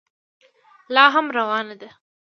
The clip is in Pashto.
لا هم روانه ده.